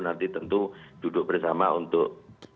nanti tentu duduk bersama untuk